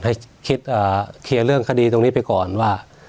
ให้คิดเคลียร์เรื่องคดีตรงนี้ไปก่อนว่า